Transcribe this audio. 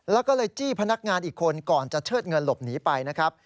แล้วก็เลยจี้พนักงานอีกคนก่อนจะเชิดเงินหลบหนีไปนะครับ